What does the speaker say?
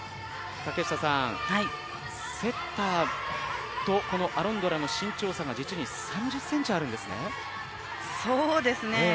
セッターとアロンドラの身長差が実に３０ｃｍあるんですね。